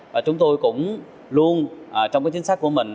và chúng tôi cũng luôn trong cái chính sách của mình